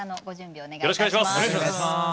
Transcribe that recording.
お願いします！